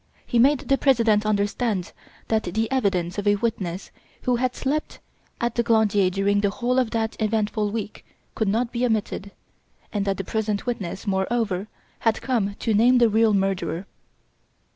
He made the President understand that the evidence of a witness who had slept at the Glandier during the whole of that eventful week could not be omitted, and the present witness, moreover, had come to name the real murderer.